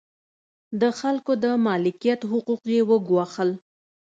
د خلکو د مالکیت حقوق یې وګواښل.